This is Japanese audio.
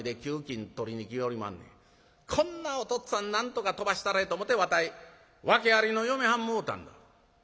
こんなおとっつぁんなんとか飛ばしたれと思てわたい訳ありの嫁はんもうたんだ」。